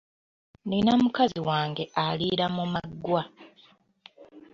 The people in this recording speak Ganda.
Nnina mukazi wange aliira mu maggwa.